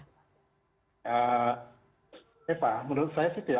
tapi saya ingin menambahkan bahwa terkait program yang dijalankan ini tidak cukup begitu kalau menurut anda